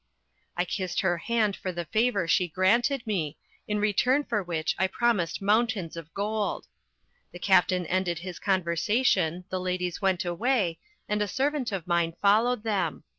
I kissed her hand for the favour she granted me, in return for which I promised mountains of gold. The captain ended his conversation, the ladies went away, and a servant of mine followed them.